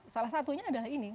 salah satunya adalah ini